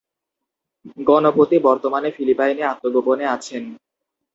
গণপতি বর্তমানে ফিলিপাইনে আত্মগোপনে আছেন।